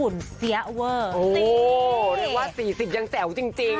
ดสิบยังแจ๋วจริง